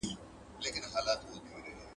پيشي هم د کېس مېرمن سوه.